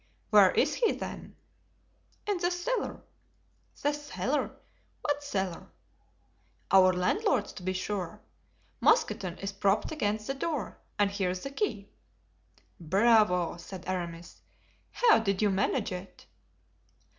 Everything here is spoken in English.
"Where is he, then?" "In the cellar." "The cellar—what cellar?" "Our landlord's, to be sure. Mousqueton is propped against the door and here's the key." "Bravo!" said Aramis, "how did you manage it?"